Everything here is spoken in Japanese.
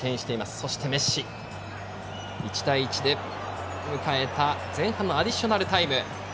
そしてメッシ１対１で迎えた前半のアディショナルタイム。